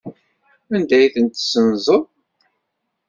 Anda ay ten-tessenzeḍ?